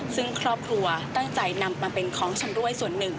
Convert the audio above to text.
ซึ่งครอบครัวตั้งใจนำมาเป็นของชำรวยส่วนหนึ่ง